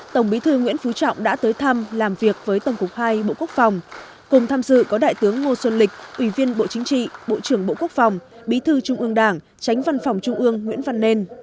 tổng bí thư nguyễn phú trọng đã tới thăm làm việc với tổng cục hai bộ quốc phòng cùng tham dự có đại tướng ngô xuân lịch ủy viên bộ chính trị bộ trưởng bộ quốc phòng bí thư trung ương đảng tránh văn phòng trung ương nguyễn văn nên